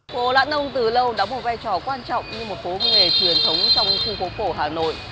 phố lãn nông từ lâu đóng một vai trò quan trọng như một phố nghề truyền thống trong khu phố cổ hà nội